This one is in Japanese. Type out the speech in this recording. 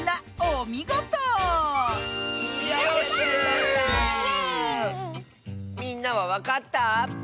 みんなはわかった？